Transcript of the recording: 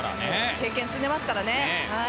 経験を積んでますからね。